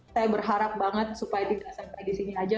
saya berharap banget supaya tidak sampai di sini aja